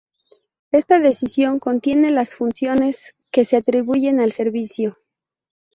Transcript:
Esta Decisión contiene las funciones que se atribuyen al Servicio.